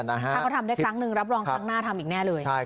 ถ้าเขาทำได้ครั้งนึงรับรองครั้งหน้าทำอีกแน่เลย